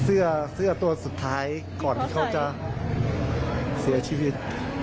เสื้อตัวสุดท้ายก่อนที่เขาจะเสียชีวิต